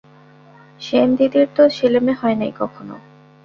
সেনদিদির তো ছেলেমেয়ে হয় নাই কখনো।